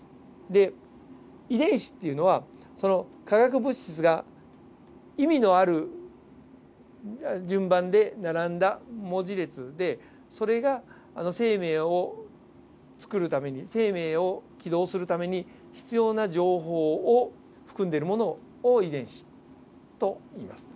で遺伝子っていうのはその化学物質が意味のある順番で並んだ文字列でそれが生命を作るために生命を起動するために必要な情報を含んでいるものを遺伝子といいます。